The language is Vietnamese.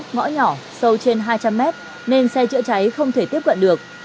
ngõ nhỏ sâu trên hai trăm linh mét nên xe chữa cháy không thể tiếp cận được